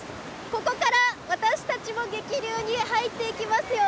ここから私たちも激流に入っていきますよ。